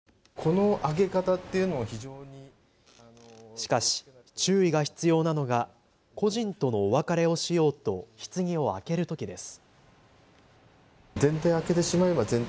しかし注意が必要なのが故人とのお別れをしようとひつぎを開けるときです。